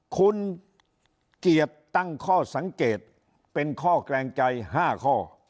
คุณเกียรติตั้งข้อสังเกตเป็นข้อแกรงใจ๕ข้อ